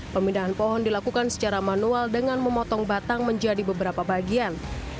pemindahan pohon dilakukan secara manual dengan memotong batang menjadi beberapa bagian